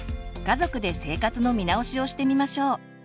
家族で生活の見直しをしてみましょう。